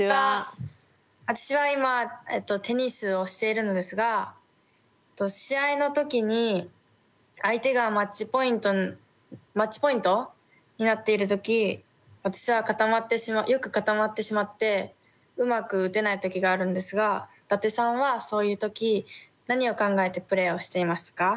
私は今テニスをしているのですが試合の時に相手がマッチポイントになっている時私はよく固まってしまってうまく打てない時があるんですが伊達さんはそういう時何を考えてプレーをしていますか？